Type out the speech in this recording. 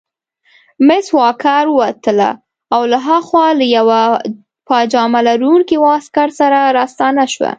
مس واکر ووتله او له هاخوا له یوه پاجامه لرونکي واسکټ سره راستنه شوه.